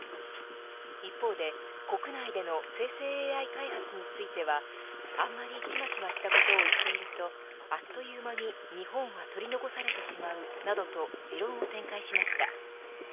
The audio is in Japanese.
一方で国内での生成ＡＩ開発についてはあんまりちまちましたことを言っているとあっという間に日本は取り残されてしまうなどと持論を展開しました。